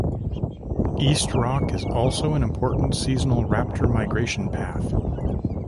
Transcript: East Rock is also an important seasonal raptor migration path.